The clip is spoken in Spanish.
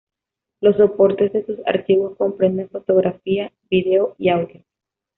Los soportes de sus archivos comprenden fotografía, video y audio.